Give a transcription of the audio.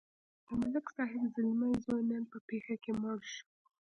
د ملک صاحب زلمی زوی نن په پېښه کې مړ شو.